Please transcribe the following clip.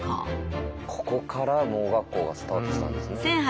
ここから盲学校がスタートしたんですね。